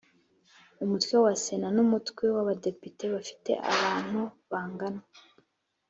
umutwe wa sena n umutwe w abadepite bifite abantu bangana